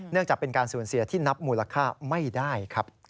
จากเป็นการสูญเสียที่นับมูลค่าไม่ได้ครับ